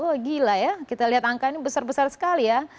oh gila ya kita lihat angkanya besar besar sekali ya